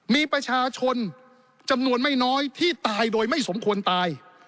มีประชาชนจำนวนไม่น้อยที่ตายโดยไม่สมควรตาย